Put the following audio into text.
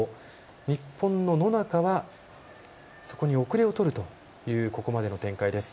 日本の野中はそこに後れをとるというここまでの展開です。